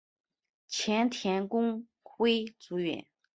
前田公辉主演。